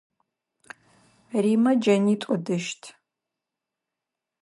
Римэ джэнитӏу ыдыщт.